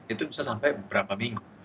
itu bisa sampai beberapa minggu